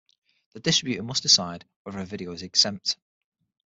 The distributor must decide whether a video is exempt.